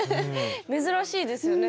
珍しいですよね。